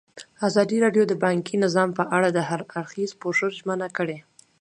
ازادي راډیو د بانکي نظام په اړه د هر اړخیز پوښښ ژمنه کړې.